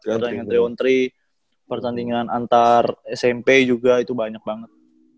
kemudian antri on tiga pertandingan antar smp juga itu banyak banget